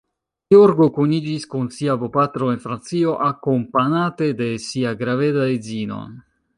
Georgo kuniĝis kun sia bopatro en Francio, akompanate de sia graveda edzino.